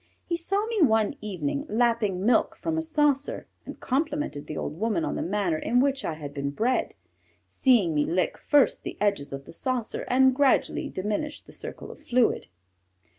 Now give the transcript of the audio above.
He saw me one evening lapping milk from a saucer and complimented the old woman on the manner in which I had been bred, seeing me lick first the edges of the saucer and gradually diminish the circle of fluid.